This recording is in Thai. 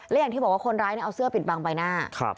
และอย่างที่บอกว่าคนร้ายเอาเสื้อปิดบังใบหน้า